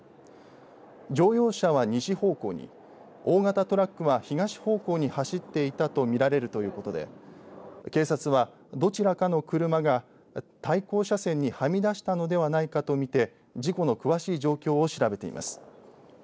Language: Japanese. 乗用車は、西方向に大型トラックは東方向に走っていたと見られるということで警察は、どちらかの車が対向車線にはみ出したのではないかと見て事故の詳しい状況を調べています。